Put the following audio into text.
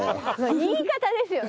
言い方ですよね